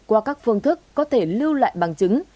qua các phương thức có thể lưu lại bằng chứng